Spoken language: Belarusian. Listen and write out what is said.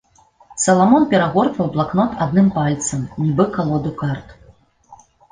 Саламон перагортваў блакнот адным пальцам, нібы калоду карт.